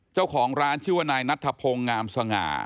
เจ้าของร้านชื่อว่านายนัทธพงศ์งามสง่า